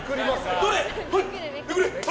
どれ？